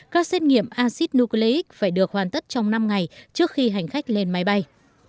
các xét nghiệm acid nucleic phải được hoàn tất trong năm ngày trước khi hành khách lên máy bay